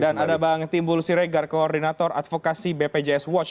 dan ada bang timbul siregar koordinator advokasi bpjs watch